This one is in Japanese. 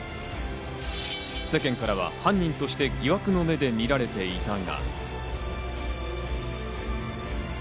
世間からは犯人として疑惑の目で見られていたが。